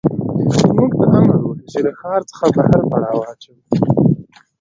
موږ ته امر وشو چې له ښار څخه بهر پړاو واچوو